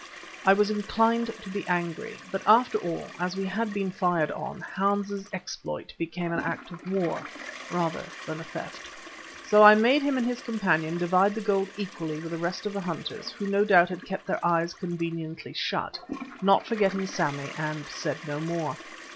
I was inclined to be angry, but after all, as we had been fired on, Hans's exploit became an act of war rather than a theft. So I made him and his companion divide the gold equally with the rest of the hunters, who no doubt had kept their eyes conveniently shut, not forgetting Sammy, and said no more.